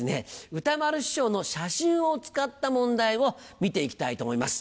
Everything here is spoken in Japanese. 歌丸師匠の写真を使った問題を見ていきたいと思います。